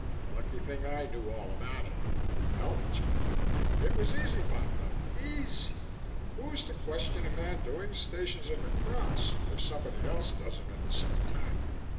Lucky thing I knew all about him. Helped. It was easy, Ponto, easy. Who's to question a man doing Stations of the Cross if somebody else does 'em at the same time?"